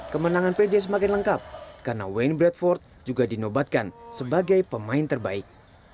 kemenangan pj semakin lengkap karena wayne bradford juga dinobatkan sebagai pemain terbaik